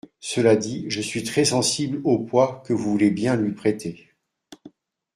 Cela dit, je suis très sensible au poids que vous voulez bien lui prêtez.